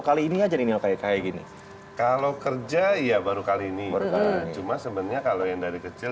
kali ini aja nih yang kayak kayak gini kalau kerja iya baru kali ini cuma sebenarnya kalau yang dari kecil